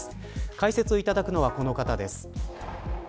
解説をいただくのはこの方です。